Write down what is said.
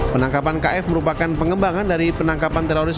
penangkapan kf merupakan pengembangan dari penangkapan teroris